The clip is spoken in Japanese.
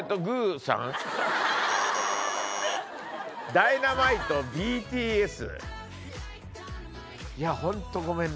『Ｄｙｎａｍｉｔｅ』ＢＴＳ。